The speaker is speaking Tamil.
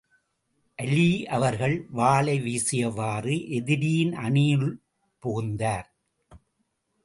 அலீ அவர்கள் வாளை வீசியவாறு, எதிரியின் அணியினுள் புகுந்தார்கள்.